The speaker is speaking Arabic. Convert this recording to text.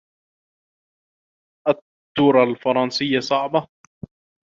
أترى الفرنسية صعبة؟